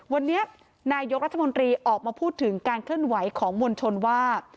วันนี้นายกรัฐมนตรีออกมาพูดถึงการเคลื่อนไหวของมวลชนว่า